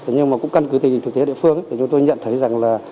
nhưng mà cũng cân cứ tình hình thực tế địa phương để chúng tôi nhận thấy rằng là